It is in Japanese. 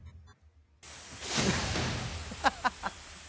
アハハハ。